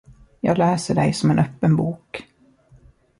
Jag läser dig som en öppen bok.